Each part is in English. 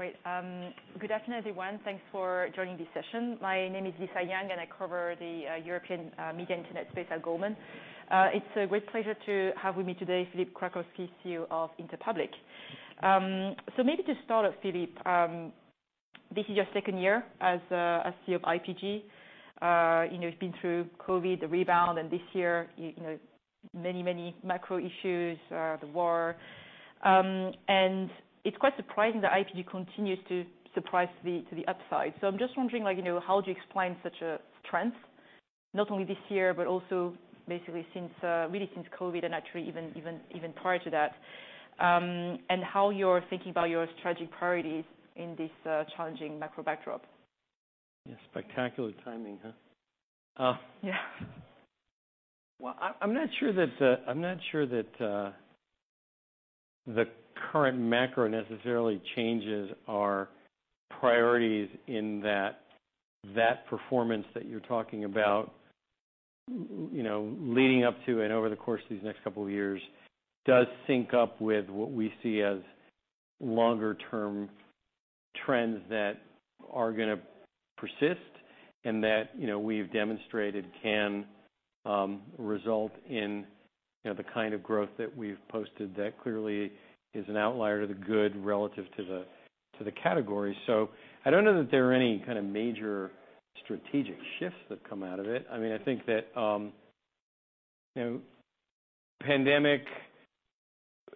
Great. Good afternoon, everyone. Thanks for joining this session. My name is Lisa Yang, and I cover the European media and internet space at Goldman. It's a great pleasure to have with me today Philippe Krakowsky, CEO of Interpublic. So maybe to start off, Philippe, this is your second year as CEO of IPG. You know, you've been through COVID, the rebound, and this year you know many macro issues, the war. And it's quite surprising that IPG continues to surprise to the upside. So I'm just wondering, like you know, how would you explain such a strength, not only this year but also basically since really since COVID and actually even prior to that, and how you're thinking about your strategic priorities in this challenging macro backdrop? Yeah. Spectacular timing, huh? Yeah. I'm not sure that the current macro necessarily changes our priorities in that performance that you're talking about, you know, leading up to and over the course of these next couple of years does sync up with what we see as longer-term trends that are gonna persist and that, you know, we've demonstrated can result in, you know, the kind of growth that we've posted that clearly is an outlier to the good relative to the category. So I don't know that there are any kind of major strategic shifts that come out of it. I mean, I think that, you know, pandemic,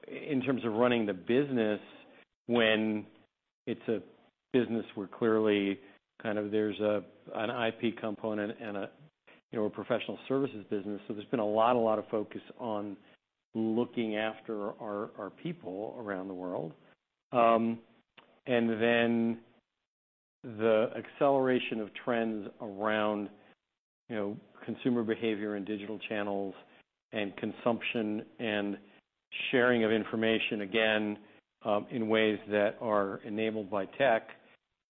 in terms of running the business, when it's a business where clearly kind of there's an IP component and a, you know, a professional services business, so there's been a lot of focus on looking after our people around the world. And then the acceleration of trends around, you know, consumer behavior and digital channels and consumption and sharing of information, again, in ways that are enabled by tech,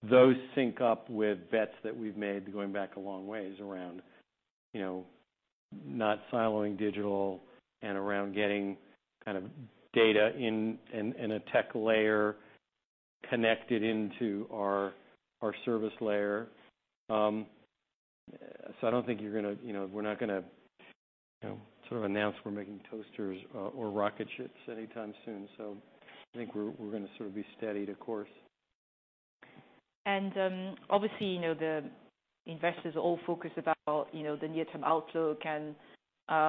those sync up with bets that we've made going back a long ways around, you know, not siloing digital and around getting kind of data in a tech layer connected into our service layer. So I don't think you're gonna, you know, we're not gonna, you know, sort of announce we're making toasters or rocket ships anytime soon. I think we're gonna sort of stay the course. Obviously, you know, the investors are all focused about, you know, the near-term outlook, and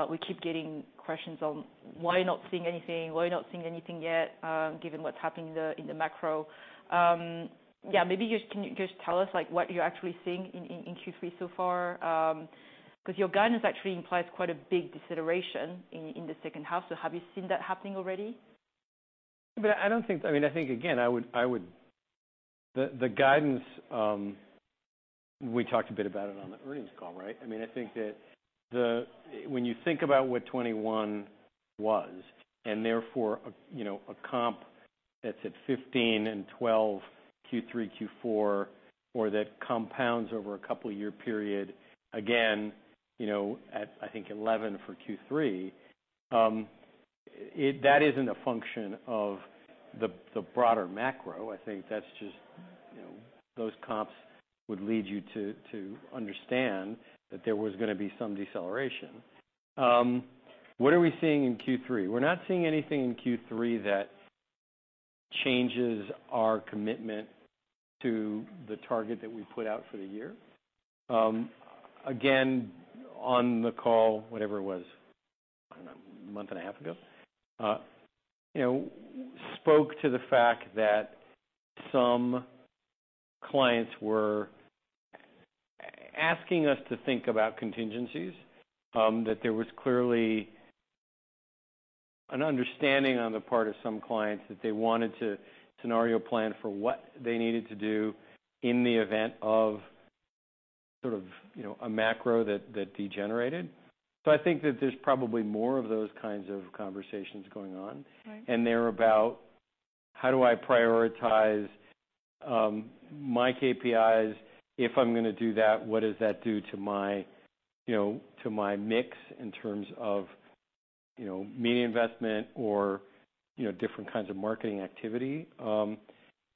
we keep getting questions on why not seeing anything, why not seeing anything yet, given what's happening in the macro. Yeah, maybe you just tell us, like, what you're actually seeing in Q3 so far, 'cause your guidance actually implies quite a big deceleration in the second half. Have you seen that happening already? But I don't think. I mean, I think again, the guidance we talked a bit about it on the earnings call, right? I mean, I think that when you think about what 2021 was and therefore a, you know, a comp that's at 2015 and 2012 Q3, Q4, or that compounds over a couple-year period, again, you know, at I think 11 for Q3, it isn't a function of the broader macro. I think that's just, you know, those comps would lead you to understand that there was gonna be some deceleration. What are we seeing in Q3? We're not seeing anything in Q3 that changes our commitment to the target that we put out for the year. Again, on the call, whatever it was, I don't know, a month and a half ago, you know, spoke to the fact that some clients were asking us to think about contingencies, that there was clearly an understanding on the part of some clients that they wanted to scenario plan for what they needed to do in the event of sort of, you know, a macro that degenerated. So I think that there's probably more of those kinds of conversations going on. Right. And they're about how do I prioritize my KPIs? If I'm gonna do that, what does that do to my, you know, to my mix in terms of, you know, media investment or, you know, different kinds of marketing activity,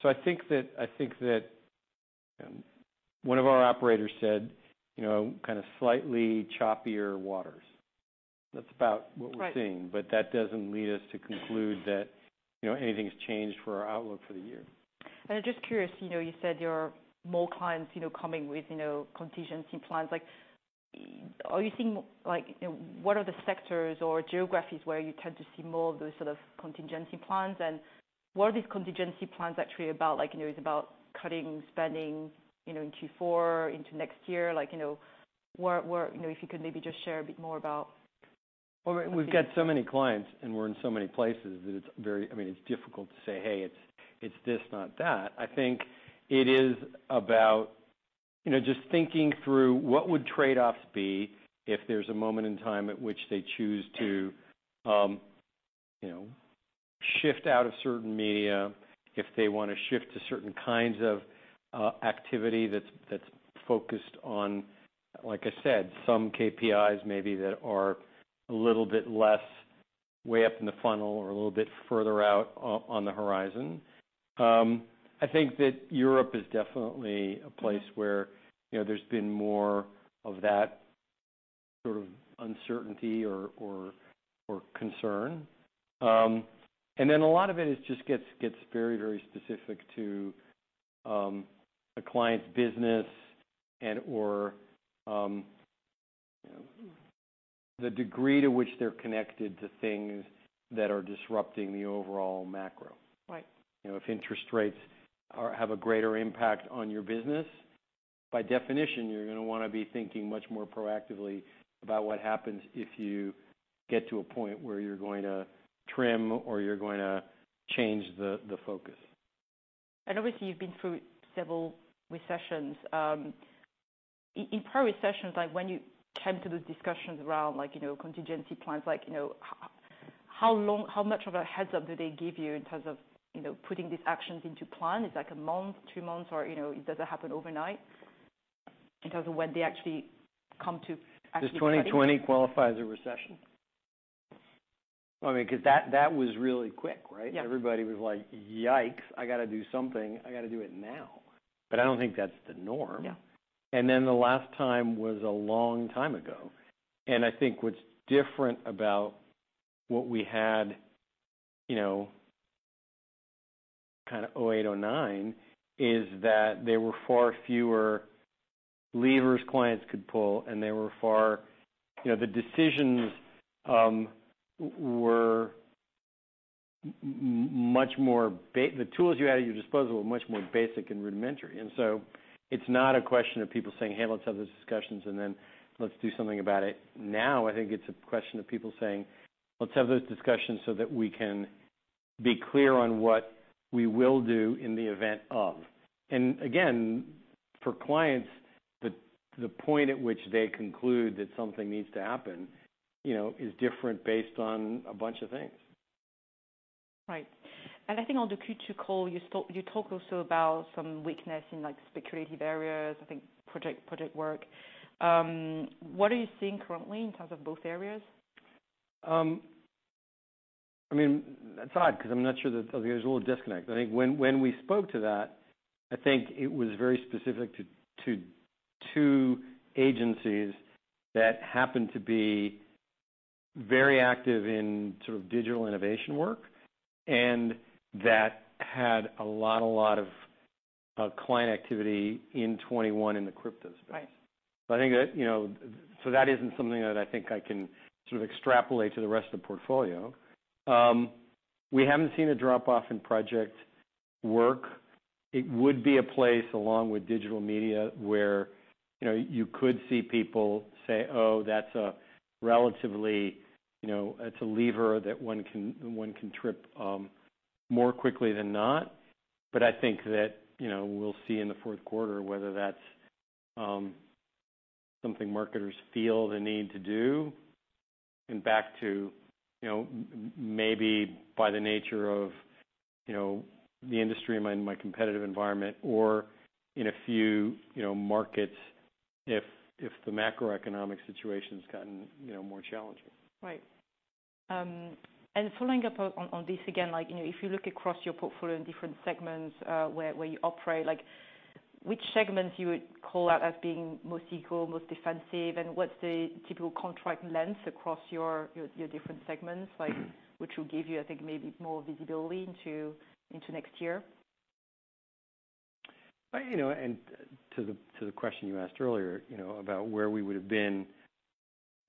so I think that one of our operators said, you know, kind of slightly choppier waters. That's about what we're seeing. Right. But that doesn't lead us to conclude that, you know, anything's changed for our outlook for the year. I'm just curious, you know, you said you're seeing more clients, you know, coming with, you know, contingency plans. Like, are you seeing like, you know, what are the sectors or geographies where you tend to see more of those sort of contingency plans? And what are these contingency plans actually about? Like, you know, is it about cutting spending, you know, in Q4 into next year? Like, you know, where, where, you know, if you could maybe just share a bit more about. We've got so many clients, and we're in so many places that it's very, I mean, it's difficult to say, "Hey, it's this, not that." I think it is about, you know, just thinking through what would trade-offs be if there's a moment in time at which they choose to, you know, shift out of certain media, if they wanna shift to certain kinds of activity that's focused on, like I said, some KPIs maybe that are a little bit less way up in the funnel or a little bit further out on the horizon. I think that Europe is definitely a place where, you know, there's been more of that sort of uncertainty or concern and then a lot of it just gets very, very specific to a client's business and/or, you know, the degree to which they're connected to things that are disrupting the overall macro. Right. You know, if interest rates have a greater impact on your business, by definition, you're gonna wanna be thinking much more proactively about what happens if you get to a point where you're going to trim or you're going to change the focus. Obviously, you've been through several recessions. In prior recessions, like, when you came to those discussions around, like, you know, contingency plans, like, you know, how long, how much of a heads-up do they give you in terms of, you know, putting these actions into plan? Is it, like, a month, two months, or, you know, it doesn't happen overnight in terms of when they actually come to decide? Does 2020 qualify as a recession? I mean, 'cause that, that was really quick, right? Yeah. Everybody was like, "Yikes. I gotta do something. I gotta do it now." But I don't think that's the norm. Yeah. And then the last time was a long time ago. And I think what's different about what we had, you know, kind of 2008, 2009 is that there were far fewer levers clients could pull, and they were far you know, the decisions, the tools you had at your disposal were much more basic and rudimentary. And so it's not a question of people saying, "Hey, let's have those discussions, and then let's do something about it now." I think it's a question of people saying, "Let's have those discussions so that we can be clear on what we will do in the event of." And again, for clients, the point at which they conclude that something needs to happen, you know, is different based on a bunch of things. Right. And I think on the Q2 call, you talked also about some weakness in, like, speculative areas, I think, project work. What are you seeing currently in terms of both areas? I mean, it's odd 'cause I'm not sure that I think there's a little disconnect. I think when we spoke to that, I think it was very specific to two agencies that happened to be very active in sort of digital innovation work and that had a lot of client activity in 2021 in the crypto space. Right. So I think that, you know, that isn't something that I think I can sort of extrapolate to the rest of the portfolio. We haven't seen a drop-off in project work. It would be a place, along with digital media, where, you know, you could see people say, "Oh, that's a relatively, you know, it's a lever that one can trip, more quickly than not." But I think that, you know, we'll see in the fourth quarter whether that's something marketers feel the need to do and back to, you know, maybe by the nature of, you know, the industry and my competitive environment or in a few, you know, markets if the macroeconomic situation's gotten, you know, more challenging. Right. And following up on this again, like, you know, if you look across your portfolio in different segments, where you operate, like, which segments you would call out as being most cyclical, most defensive, and what's the typical contract length across your different segments, like, which will give you, I think, maybe more visibility into next year? You know, and to the question you asked earlier, you know, about where we would have been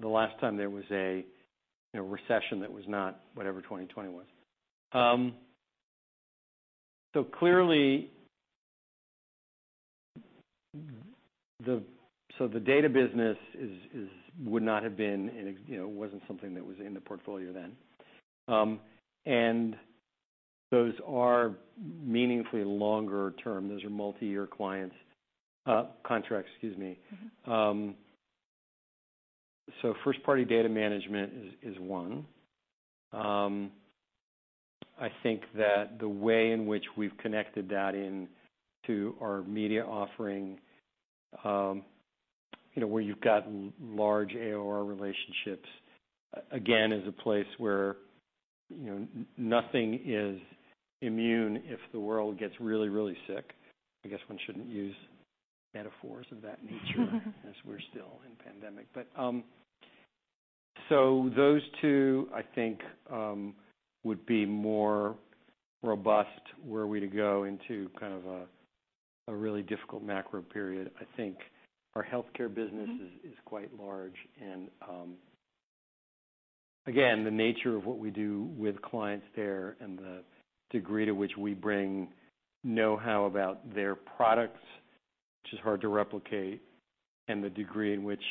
the last time there was a, you know, recession that was not whatever 2020 was, so clearly, the data business would not have been an exception, you know, wasn't something that was in the portfolio then. And those are meaningfully longer-term. Those are multi-year clients, contracts, excuse me. Mm-hmm. So first-party data management is one. I think that the way in which we've connected that into our media offering, you know, where you've got large ARR relationships, again, is a place where, you know, nothing is immune if the world gets really, really sick. I guess one shouldn't use metaphors of that nature as we're still in pandemic. But so those two, I think, would be more robust. Where are we to go into kind of a really difficult macro period? I think our healthcare business is quite large. And again, the nature of what we do with clients there and the degree to which we bring know-how about their products, which is hard to replicate, and the degree in which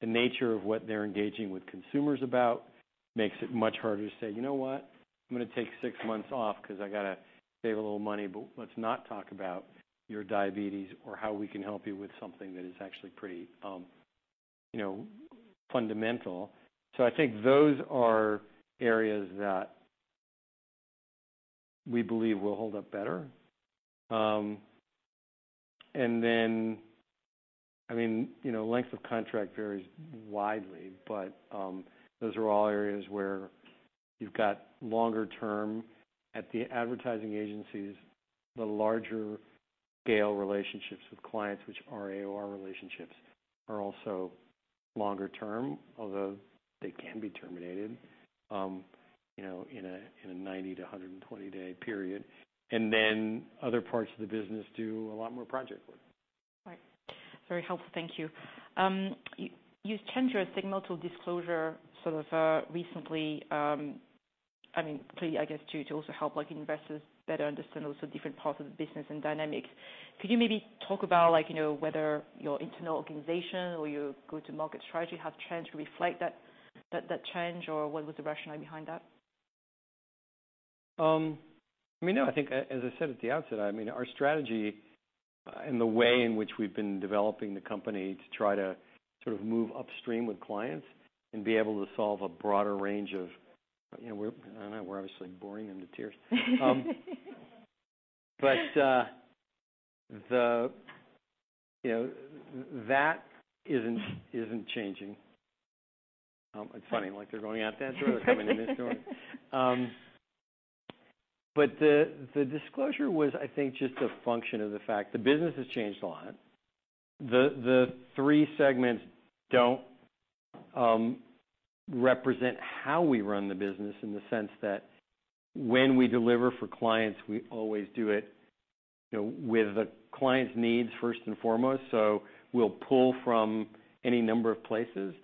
the nature of what they're engaging with consumers about makes it much harder to say, "You know what? I'm gonna take six months off 'cause I gotta save a little money, but let's not talk about your diabetes or how we can help you with something that is actually pretty, you know, fundamental." So I think those are areas that we believe will hold up better. And then, I mean, you know, length of contract varies widely, but, those are all areas where you've got longer-term at the advertising agencies, the larger-scale relationships with clients, which are ARR relationships, are also longer-term, although they can be terminated, you know, in a 90 day-120 day period. And then other parts of the business do a lot more project work. Right. Very helpful. Thank you. You've changed your signal to disclosure sort of, recently. I mean, clearly, I guess, to also help, like, investors better understand also different parts of the business and dynamics. Could you maybe talk about, like, you know, whether your internal organization or your go-to-market strategy has changed to reflect that change, or what was the rationale behind that? I mean, no. I think, as I said at the outset, I mean, our strategy, and the way in which we've been developing the company to try to sort of move upstream with clients and be able to solve a broader range of, you know, we're. I don't know. We're obviously boring them to tears. But, you know, that isn't changing. It's funny. Like, they're going out that door. That's funny. They're coming in this door, but the disclosure was, I think, just a function of the fact the business has changed a lot. The three segments don't represent how we run the business in the sense that when we deliver for clients, we always do it, you know, with the client's needs first and foremost. So we'll pull from any number of places.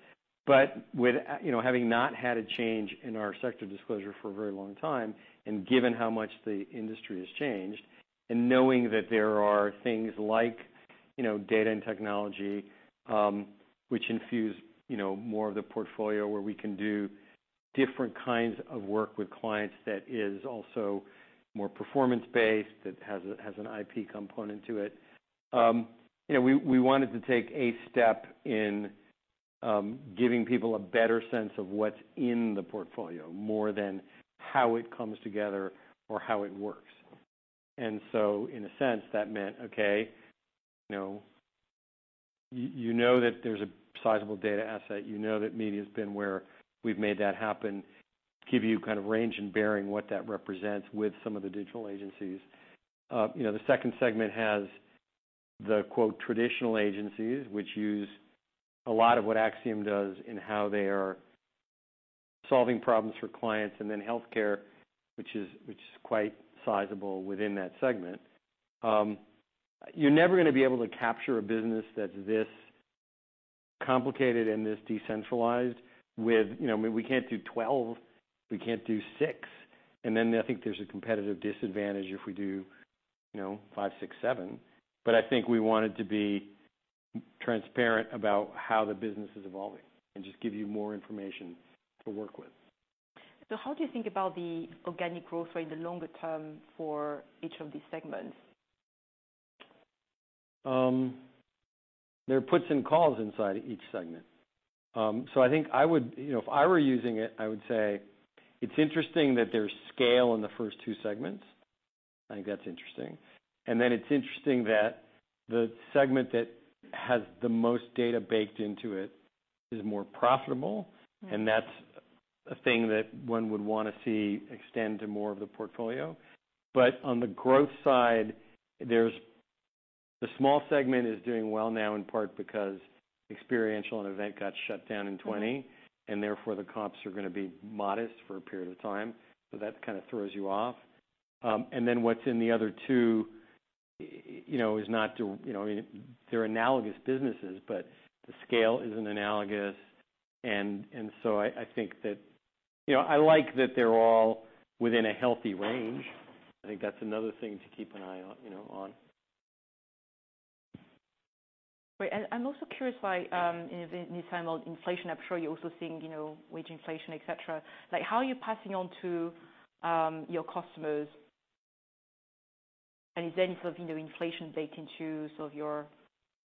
But with, you know, having not had a change in our sector disclosure for a very long time and given how much the industry has changed and knowing that there are things like, you know, data and technology, which infuse, you know, more of the portfolio where we can do different kinds of work with clients that is also more performance-based, that has an IP component to it, you know, we wanted to take a step in giving people a better sense of what's in the portfolio more than how it comes together or how it works. And so, in a sense, that meant, okay, you know, you know that there's a sizable data asset. You know that media's been where we've made that happen. Give you kind of range and bearing what that represents with some of the digital agencies. You know, the second segment has the, quote, "traditional agencies," which use a lot of what Acxiom does in how they are solving problems for clients, and then healthcare, which is quite sizable within that segment. You're never gonna be able to capture a business that's this complicated and this decentralized with, you know, I mean, we can't do 12. We can't do six, and then I think there's a competitive disadvantage if we do, you know, five, six, seven, but I think we wanted to be transparent about how the business is evolving and just give you more information to work with. So how do you think about the organic growth rate in the longer term for each of these segments? There are puts and calls inside each segment, so I think I would, you know, if I were using it, I would say it's interesting that there's scale in the first two segments. I think that's interesting, and then it's interesting that the segment that has the most data baked into it is more profitable. Mm-hmm. And that's a thing that one would wanna see extend to more of the portfolio. But on the growth side, there's the small segment is doing well now in part because Experiential and Event got shut down in 2020. Mm-hmm. And therefore, the comps are gonna be modest for a period of time. So that kinda throws you off. And then what's in the other two, you know, is not there, you know, I mean, they're analogous businesses, but the scale isn't analogous. And so I think that, you know, I like that they're all within a healthy range. I think that's another thing to keep an eye on, you know. Right. And I'm also curious why, in this time of inflation, I'm sure you're also seeing, you know, wage inflation, etc. Like, how are you passing on to your customers? And is there any sort of, you know, inflation baked into sort of your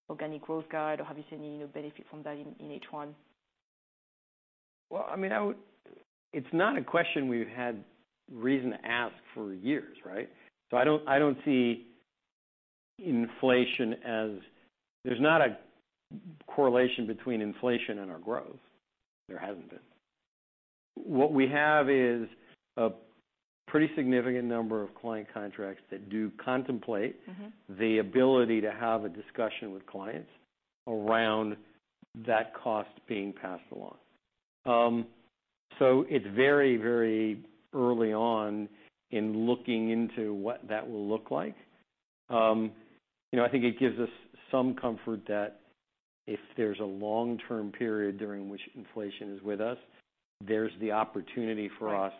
organic growth guide, or have you seen any, you know, benefit from that in H1? I mean, I would, it's not a question we've had reason to ask for years, right? So I don't see inflation. As there's not a correlation between inflation and our growth. There hasn't been. What we have is a pretty significant number of client contracts that do contemplate. Mm-hmm. The ability to have a discussion with clients around that cost being passed along, so it's very, very early on in looking into what that will look like. You know, I think it gives us some comfort that if there's a long-term period during which inflation is with us, there's the opportunity for us.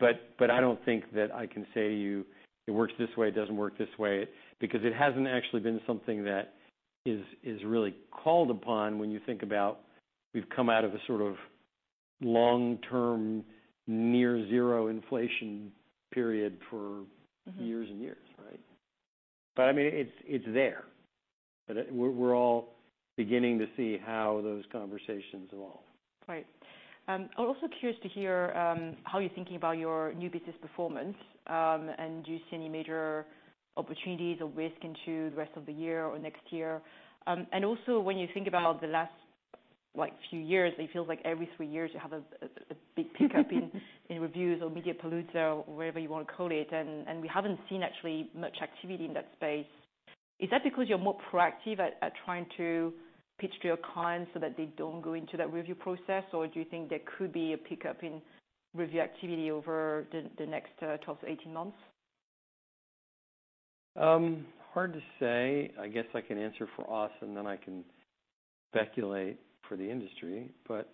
Right. But I don't think that I can say to you, "It works this way. It doesn't work this way," because it hasn't actually been something that is really called upon when you think about we've come out of a sort of long-term near-zero inflation period for. Mm-hmm. Years and years, right? But I mean, it's there. But, we're all beginning to see how those conversations evolve. Right. I'm also curious to hear how you're thinking about your new business performance, and do you see any major opportunities or risk into the rest of the year or next year? And also, when you think about the last few years, it feels like every three years you have a big pickup in reviews or media reviews or whatever you wanna call it. And we haven't seen actually much activity in that space. Is that because you're more proactive at trying to pitch to your clients so that they don't go into that review process, or do you think there could be a pickup in review activity over the next 12 to 18 months? Hard to say. I guess I can answer for us, and then I can speculate for the industry. But,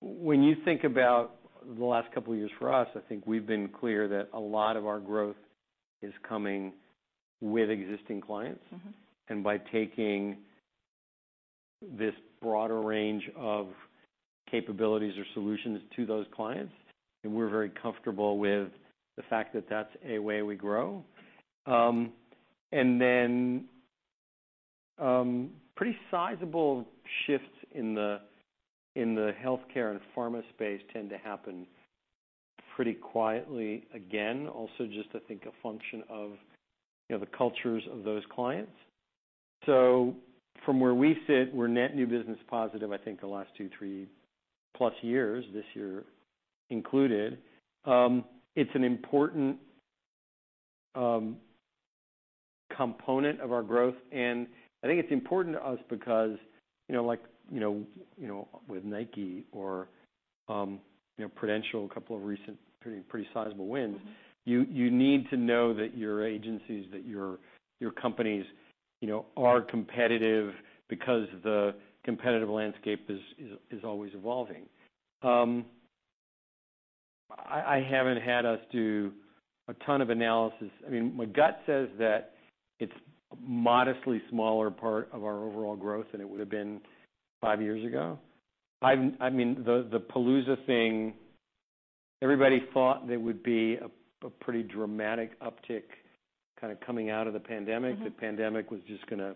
when you think about the last couple of years for us, I think we've been clear that a lot of our growth is coming with existing clients. Mm-hmm. By taking this broader range of capabilities or solutions to those clients, and we're very comfortable with the fact that that's a way we grow. Pretty sizable shifts in the healthcare and pharma space tend to happen pretty quietly again, also just, I think, a function of, you know, the cultures of those clients. From where we sit, we're net new business positive, I think, the last two, three-plus years, this year included. It's an important component of our growth. I think it's important to us because, you know, like, you know, you know, with Nike or, you know, Prudential, a couple of recent pretty sizable wins. Mm-hmm. You need to know that your agencies, that your companies, you know, are competitive because the competitive landscape is always evolving. I haven't had us do a ton of analysis. I mean, my gut says that it's a modestly smaller part of our overall growth than it would have been five years ago. I mean, the palooza thing, everybody thought there would be a pretty dramatic uptick kinda coming out of the pandemic. Mm-hmm. The pandemic was just gonna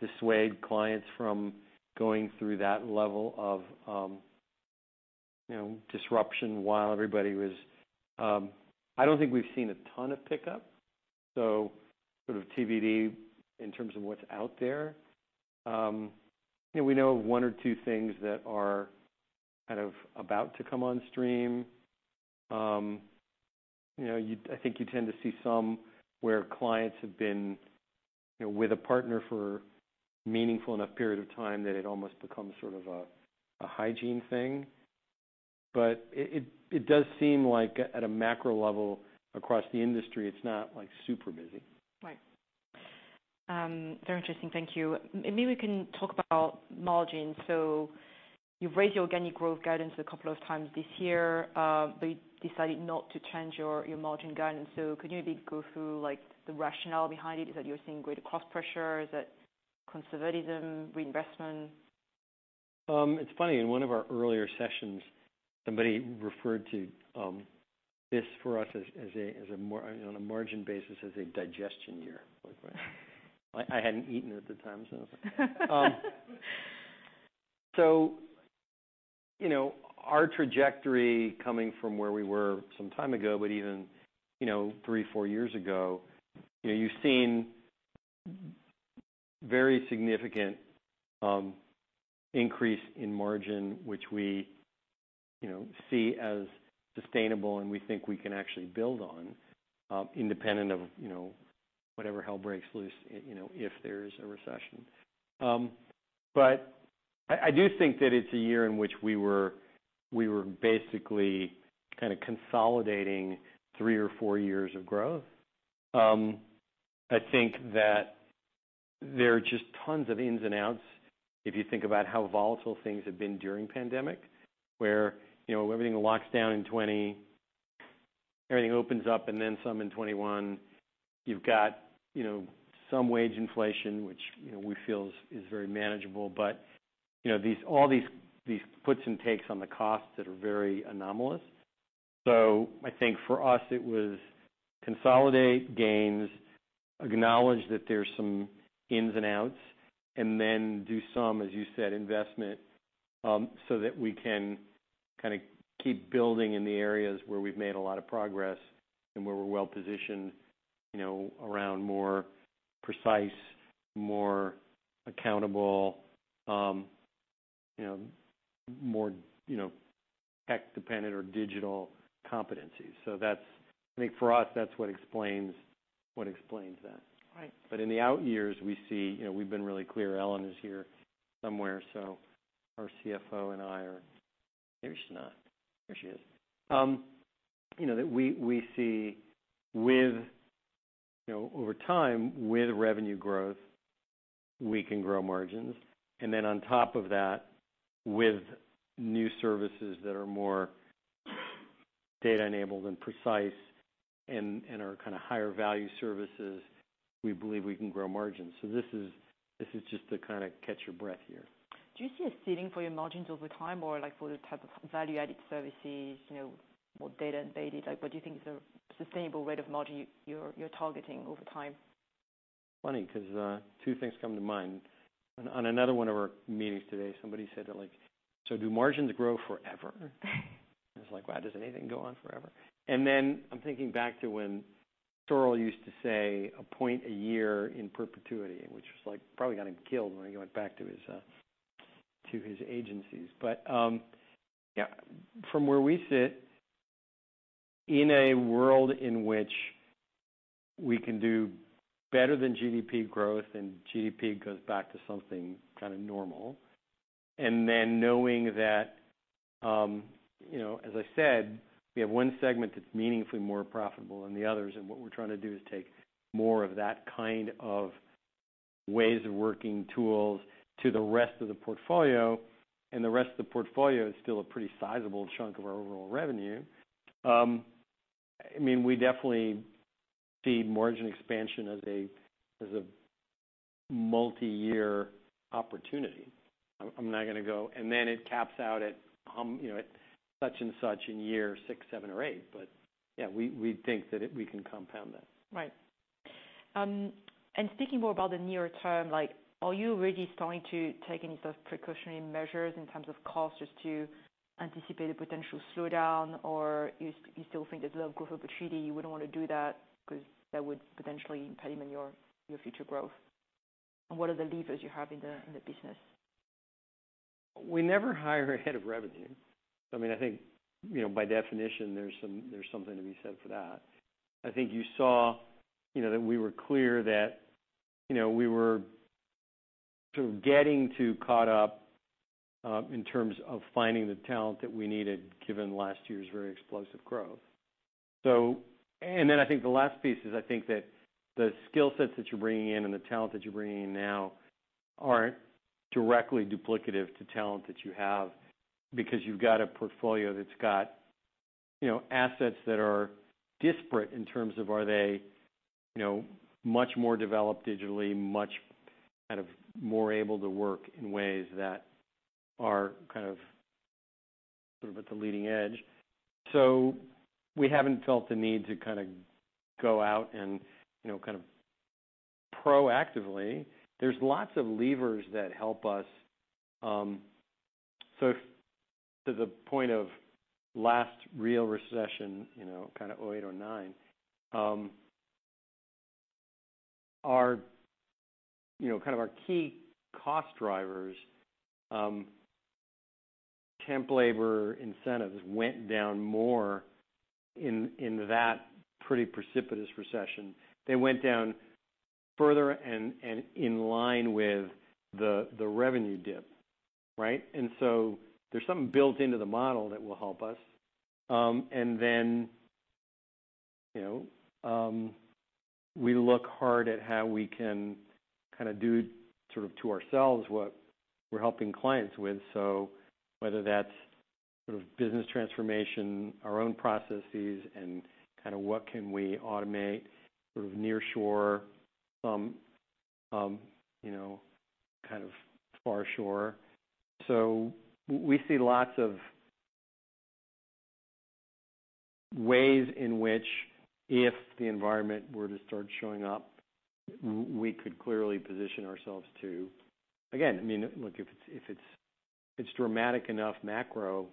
dissuade clients from going through that level of, you know, disruption while everybody was. I don't think we've seen a ton of pickup, so sort of TBD in terms of what's out there. You know, we know of one or two things that are kind of about to come on stream. You know, you'd, I think, you tend to see somewhere clients have been, you know, with a partner for a meaningful enough period of time that it almost becomes sort of a hygiene thing. But it does seem like, at a macro level across the industry, it's not, like, super busy. Right. Very interesting. Thank you. Maybe we can talk about margins. So you've raised your organic growth guidance a couple of times this year, but you decided not to change your, your margin guidance. So could you maybe go through, like, the rationale behind it? Is that you're seeing greater cost pressure? Is that conservatism, reinvestment? It's funny. In one of our earlier sessions, somebody referred to this for us as a more, you know, on a margin basis, as a digestion year. Like, I hadn't eaten at the time, so it was like, so, you know, our trajectory coming from where we were some time ago, but even, you know, three, four years ago, you know, you've seen very significant increase in margin, which we, you know, see as sustainable and we think we can actually build on, independent of, you know, whatever hell breaks loose, you know, if there is a recession, but I do think that it's a year in which we were basically kinda consolidating three or four years of growth. I think that there are just tons of ins and outs if you think about how volatile things have been during the pandemic, where, you know, everything locks down in 2020, everything opens up, and then some in 2021. You've got, you know, some wage inflation, which, you know, we feel is very manageable. But, you know, these puts and takes on the costs that are very anomalous. So I think for us, it was consolidate gains, acknowledge that there's some ins and outs, and then do some, as you said, investment, so that we can kinda keep building in the areas where we've made a lot of progress and where we're well-positioned, you know, around more precise, more accountable, you know, more tech-dependent or digital competencies. So that's, I think for us, that's what explains that. Right. But in the out years, you know, we've been really clear. Ellen is here somewhere. So our CFO and I are there. She's not. There she is. You know, that we, we see with, you know, over time, with revenue growth, we can grow margins. And then on top of that, with new services that are more data-enabled and precise and, and are kinda higher value services, we believe we can grow margins. So this is just to kinda catch your breath here. Do you see a ceiling for your margins over time or, like, for the type of value-added services, you know, more data-embedded? Like, what do you think is the sustainable rate of margin you're, you're targeting over time? Funny 'cause, two things come to mind. On, on another one of our meetings today, somebody said that, like, "So do margins grow forever?" I was like, "Wow, does anything go on forever?" And then I'm thinking back to when Sorrell used to say, "A point a year in perpetuity," which was, like, probably got him killed when he went back to his agencies. But, yeah, from where we sit, in a world in which we can do better than GDP growth and GDP goes back to something kinda normal, and then knowing that, you know, as I said, we have one segment that's meaningfully more profitable than the others. And what we're trying to do is take more of that kind of ways of working tools to the rest of the portfolio. And the rest of the portfolio is still a pretty sizable chunk of our overall revenue. I mean, we definitely see margin expansion as a multi-year opportunity. I'm not gonna go, "And then it caps out at, you know, at such and such in year six, seven, or eight." But yeah, we think that it we can compound that. Right. And speaking more about the near term, like, are you really starting to take any sort of precautionary measures in terms of costs just to anticipate a potential slowdown, or you still think there's a lot of growth opportunity? You wouldn't wanna do that 'cause that would potentially impede your, your future growth? And what are the levers you have in the business? We never hire a head of revenue. I mean, I think, you know, by definition, there's something to be said for that. I think you saw, you know, that we were clear that, you know, we were sort of getting too caught up, in terms of finding the talent that we needed given last year's very explosive growth, so and then I think the last piece is I think that the skill sets that you're bringing in and the talent that you're bringing in now aren't directly duplicative to talent that you have because you've got a portfolio that's got, you know, assets that are disparate in terms of are they, you know, much more developed digitally, much kind of more able to work in ways that are kind of sort of at the leading edge. So we haven't felt the need to kinda go out and, you know, kind of proactively. There's lots of levers that help us. So if to the point of last real recession, you know, kinda 2008 or 2009, our you know, kind of our key cost drivers, temp labor incentives went down more in that pretty precipitous recession. They went down further and in line with the revenue dip, right? And so there's something built into the model that will help us. And then, you know, we look hard at how we can kinda do sort of to ourselves what we're helping clients with. So whether that's sort of business transformation, our own processes, and kinda what can we automate sort of nearshore, some, you know, kind of offshore. So we see lots of ways in which if the environment were to start showing up, we could clearly position ourselves to. Again, I mean, look, if it's, it's dramatic enough macro,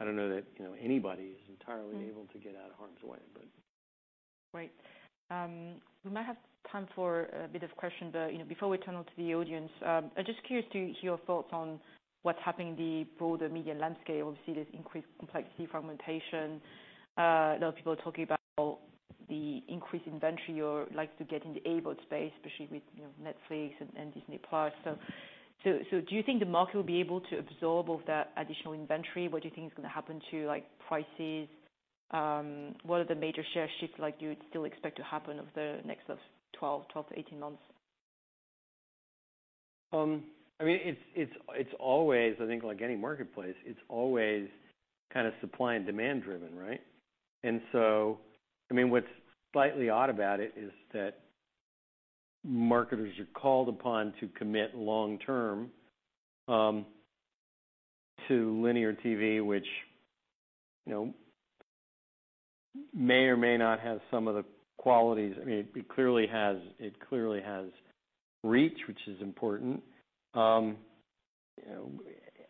I don't know that, you know, anybody is entirely able to get out of harm's way, but. Right. We might have time for a bit of questions, but, you know, before we turn on to the audience, I'm just curious to hear your thoughts on what's happening in the broader media landscape. Obviously, there's increased complexity, fragmentation. A lot of people are talking about the increased inventory you're likely to get in the A-book space, especially with, you know, Netflix and, and Disney+. So, so, so do you think the market will be able to absorb all that additional inventory? What do you think is gonna happen to, like, prices? What are the major share shifts, like, you'd still expect to happen over the next sort of 12, 12 months-18 months? I mean, it's always I think, like any marketplace, it's always kinda supply and demand driven, right? And so, I mean, what's slightly odd about it is that marketers are called upon to commit long-term to linear TV, which, you know, may or may not have some of the qualities. I mean, it clearly has reach, which is important. You know,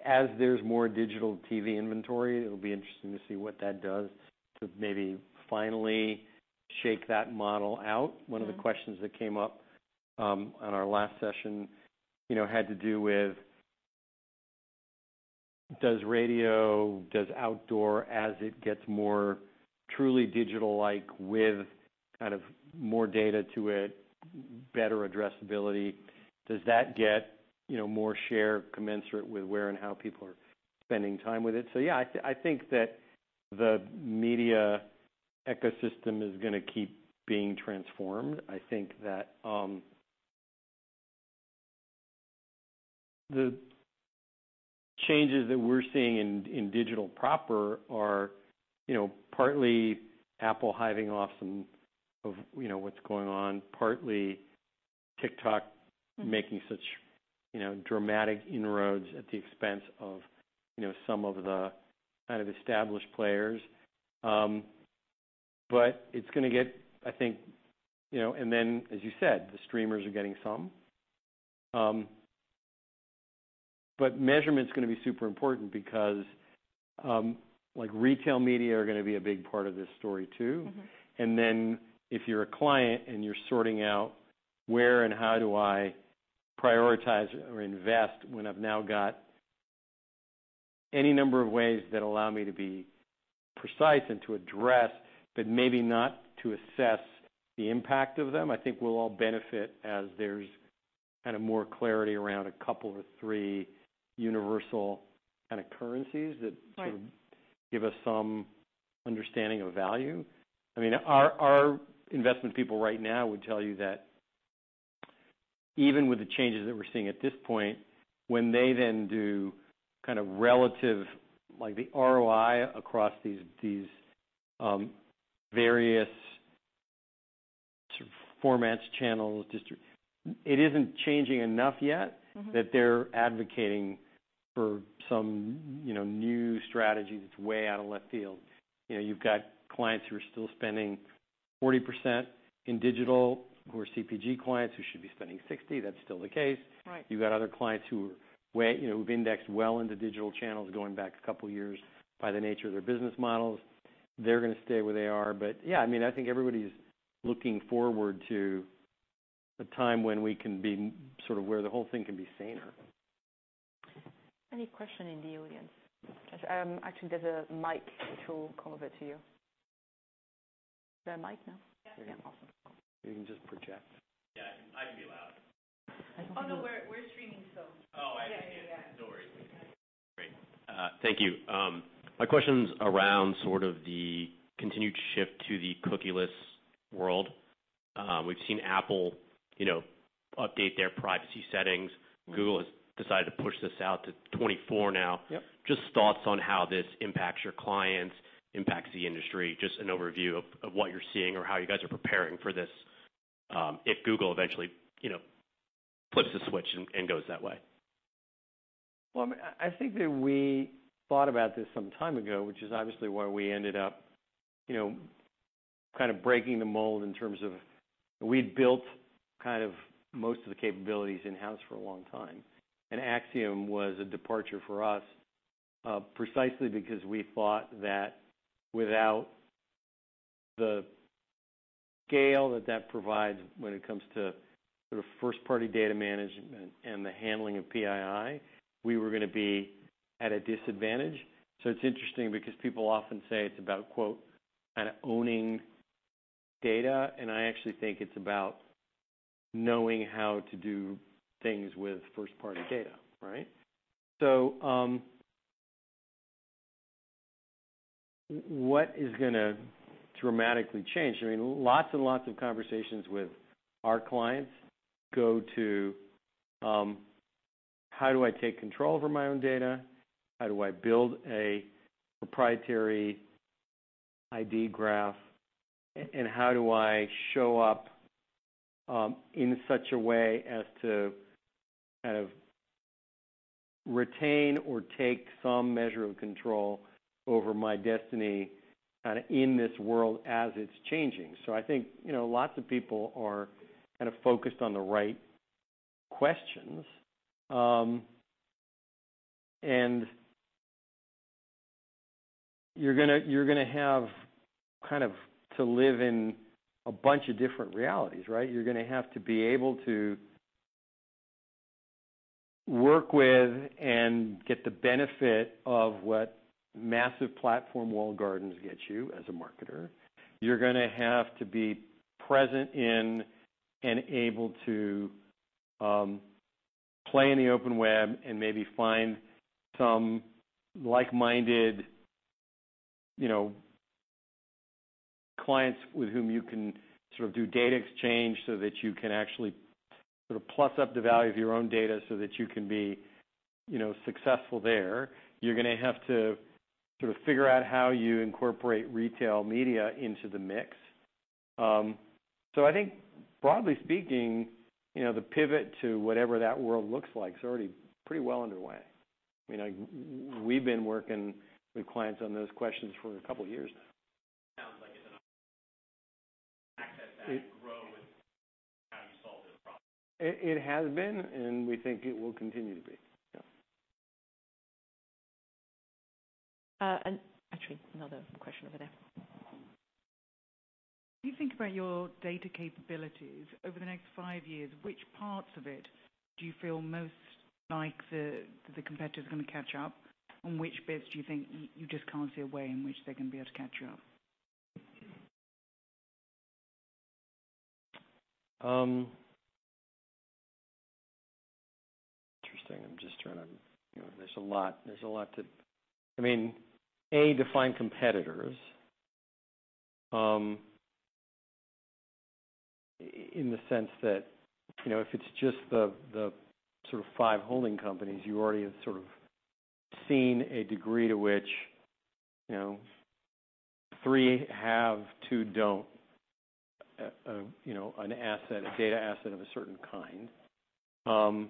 as there's more digital TV inventory, it'll be interesting to see what that does to maybe finally shake that model out. One of the questions that came up on our last session, you know, had to do with does radio, does outdoor, as it gets more truly digital-like with kind of more data to it, better addressability, does that get, you know, more share commensurate with where and how people are spending time with it? So yeah, I think that the media ecosystem is gonna keep being transformed. I think that the changes that we're seeing in digital proper are, you know, partly Apple hiving off some of, you know, what's going on, partly TikTok making such, you know, dramatic inroads at the expense of, you know, some of the kind of established players. But it's gonna get, I think, you know, and then, as you said, the streamers are getting some. But measurement's gonna be super important because, like, retail media are gonna be a big part of this story too. Mm-hmm. And then if you're a client and you're sorting out where and how do I prioritize or invest when I've now got any number of ways that allow me to be precise and to address, but maybe not to assess the impact of them, I think we'll all benefit as there's kinda more clarity around a couple or three universal kinda currencies that. Right. Sort of give us some understanding of value. I mean, our investment people right now would tell you that even with the changes that we're seeing at this point, when they then do kinda relative, like, the ROI across these various sort of formats, channels, distributed, it isn't changing enough yet. Mm-hmm. That they're advocating for some, you know, new strategy that's way out of left field. You know, you've got clients who are still spending 40% in digital who are CPG clients who should be spending 60%. That's still the case. Right. You've got other clients who are way, you know, who've indexed well into digital channels going back a couple years by the nature of their business models. They're gonna stay where they are. But yeah, I mean, I think everybody's looking forward to a time when we can be more sort of where the whole thing can be saner. Any question in the audience? Actually, there's a mic. We'll come over to you. Is there a mic now? Yeah. Yeah. Awesome. You can just project. Yeah. I can be loud. Oh, no. We're, we're streaming, so. Oh, I see. Yeah. Yeah. No worries. Great. Thank you. My question's around sort of the continued shift to the cookieless world. We've seen Apple, you know, update their privacy settings. Mm-hmm. Google has decided to push this out to 2024 now. Yep. Just thoughts on how this impacts your clients, impacts the industry, just an overview of what you're seeing or how you guys are preparing for this, if Google eventually, you know, flips the switch and goes that way. I mean, I think that we thought about this some time ago, which is obviously why we ended up, you know, kinda breaking the mold in terms of we'd built kind of most of the capabilities in-house for a long time. Acxiom was a departure for us, precisely because we thought that without the scale that that provides when it comes to sort of first-party data management and the handling of PII, we were gonna be at a disadvantage. It's interesting because people often say it's about, quote, kinda owning data. I actually think it's about knowing how to do things with first-party data, right? What is gonna dramatically change? I mean, lots and lots of conversations with our clients go to, how do I take control over my own data? How do I build a proprietary ID graph? And how do I show up in such a way as to kind of retain or take some measure of control over my destiny kinda in this world as it's changing? So I think, you know, lots of people are kinda focused on the right questions. And you're gonna have kind of to live in a bunch of different realities. Right? You're gonna have to be able to work with and get the benefit of what massive platform walled gardens get you as a marketer. You're gonna have to be present in and able to play in the open web and maybe find some like-minded, you know, clients with whom you can sort of do data exchange so that you can actually sort of plus up the value of your own data so that you can be, you know, successful there. You're gonna have to sort of figure out how you incorporate retail media into the mix, so I think, broadly speaking, you know, the pivot to whatever that world looks like is already pretty well underway. I mean, we've been working with clients on those questions for a couple years now. Sounds like it's an opportunity to access that and grow with how you solve this problem. It has been, and we think it will continue to be. Yeah. And actually, another question over there. If you think about your data capabilities over the next five years, which parts of it do you feel most like the competitors are gonna catch up, and which bits do you think you just can't see a way in which they're gonna be able to catch you up? Interesting. I'm just trying to, you know, there's a lot to I mean, A, define competitors, in the sense that, you know, if it's just the, the sort of five holding companies, you already have sort of seen a degree to which, you know, three have, two don't, you know, an asset, a data asset of a certain kind.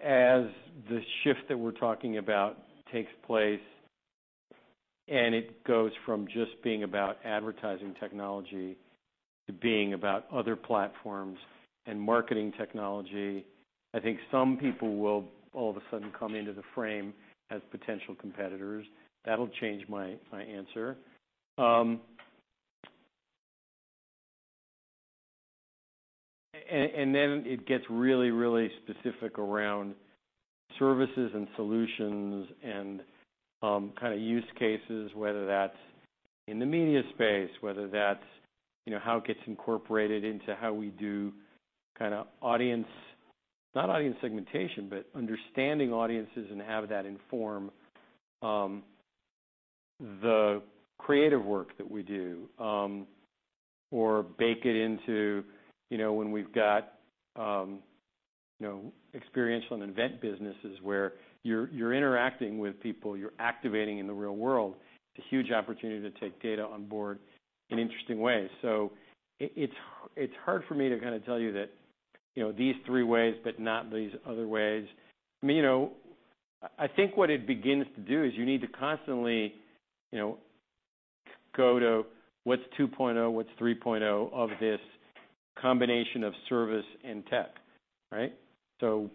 As the shift that we're talking about takes place and it goes from just being about advertising technology to being about other platforms and marketing technology, I think some people will all of a sudden come into the frame as potential competitors. That'll change my answer. And then it gets really, really specific around services and solutions and, kinda use cases, whether that's in the media space, whether that's, you know, how it gets incorporated into how we do kinda audience not audience segmentation, but understanding audiences and have that inform, the creative work that we do, or bake it into, you know, when we've got, you know, experiential and event businesses where you're interacting with people, you're activating in the real world, it's a huge opportunity to take data on board in interesting ways. So it's hard for me to kinda tell you that, you know, these three ways, but not these other ways. I mean, you know, I think what it begins to do is you need to constantly, you know, go to what's 2.0, what's 3.0 of this combination of service and tech. Right? So,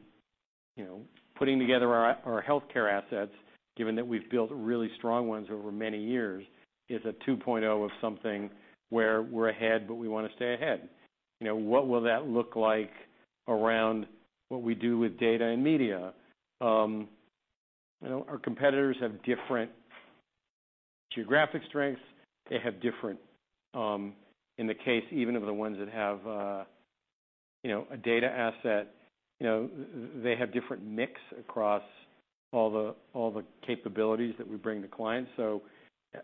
you know, putting together our healthcare assets, given that we've built really strong ones over many years, is a 2.0 of something where we're ahead, but we wanna stay ahead. You know, what will that look like around what we do with data and media? You know, our competitors have different geographic strengths. They have different, in the case even of the ones that have, you know, a data asset, you know, they have different mix across all the capabilities that we bring to clients. So,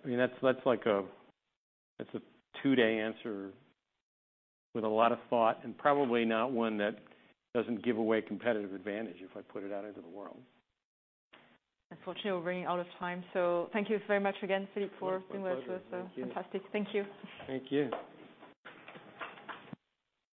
I mean, that's like a two-day answer with a lot of thought and probably not one that doesn't give away competitive advantage if I put it out into the world. Unfortunately, we're running out of time. So thank you very much again, Philippe, for. Absolutely. Being with us. Absolutely. Fantastic. Thank you. Thank you.